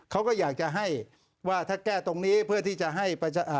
เขาก็อยากจะให้ว่าถ้าแก้ตรงนี้เพื่อที่จะให้ประชาชน